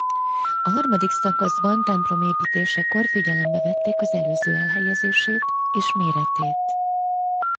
A harmadik szakaszban templom építésekor figyelembe vették az előző elhelyezését és méretét.